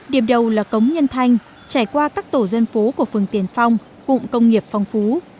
điểm đầu là cống nhân thanh trải qua các tổ dân phố của phường tiền phong cụng công nghiệp phong phú